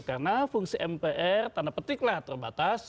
karena fungsi mpr tanda petiklah terbatas